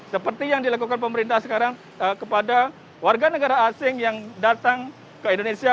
seperti yang dilakukan pemerintah sekarang kepada warga negara asing yang datang ke indonesia